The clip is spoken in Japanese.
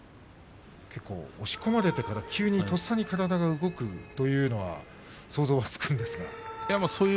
結構、押し込まれてからとっさに体が動くというのは想像はつくんですが。